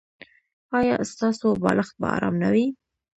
ایا ستاسو بالښت به ارام نه وي؟